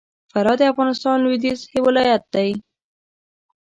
فراه د افغانستان لوېدیځ ولایت دی